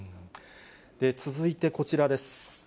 続いてこちらです。